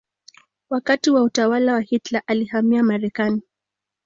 Wakati wa utawala wa Hitler alihamia Marekani.